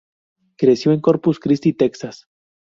Creció en Corpus Christi, Texas.